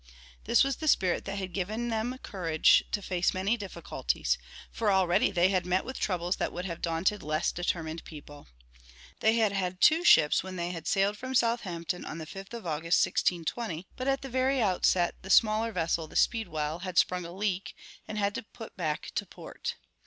This was the spirit that had given them courage to face many difficulties, for already they had met with troubles that would have daunted less determined people. They had had two ships when they had sailed from Southampton on the fifth of August, 1620, but at the very outset the smaller vessel, the Speedwell, had sprung a leak, and had to put back to port.